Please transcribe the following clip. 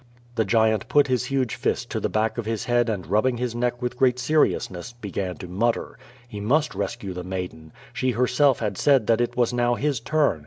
The giant put his huge fist to the back of his head and rubbing his neck with great seriousness, began to mutter. He must rescue the maiden. She herself had said that it was now his turn.